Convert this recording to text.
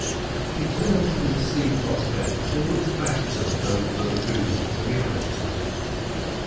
She turned from the sea prospect and looked backwards over the lagoon to the island.